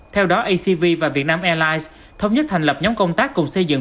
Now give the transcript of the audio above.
theo đó acv và việt nam airlines thống nhất thành lập nhóm công tác cùng xây dựng